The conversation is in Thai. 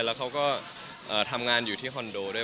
แล้วเขาก็ทำงานอยู่ที่คอนโดด้วย